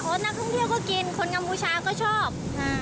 นักท่องเที่ยวก็กินคนกัมพูชาก็ชอบ